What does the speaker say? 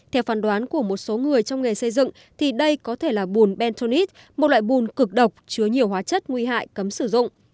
theo phán đoán của một số người trong nghề xây dựng thì đây có thể là bùn bentonite một loại bùn cực độc chứa nhiều hóa chất nguy hại cấm sử dụng